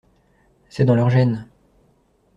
C’est dans leurs gènes.